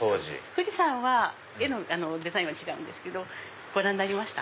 富士山は絵のデザインは違うけどご覧になりました？